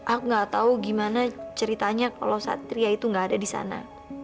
aku gak tau gimana ceritanya kalau satria itu nggak ada di sana